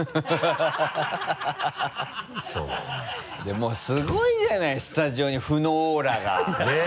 もうすごいじゃないスタジオに負のオーラが。ねぇ。